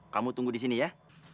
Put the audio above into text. kamu tunggu di sini ya